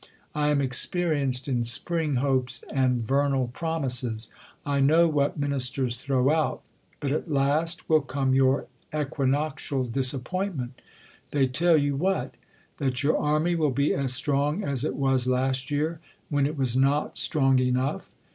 I am exr perienced in spring hopes and vernal promises. I I know what ministers throw out ; but at last will come your equinoctial disappointment. They tell you what ? That your army will be as strong as it was last year, when it was not strong enough.